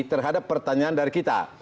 terhadap pertanyaan dari kita